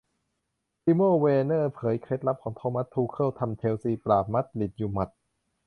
ติโม่ แวร์เนอร์ เผยเคล็ดลับของ โทมัส ทูเคิ่ล ทำ เชลซี ปราบ มาดริด อยู่หมัด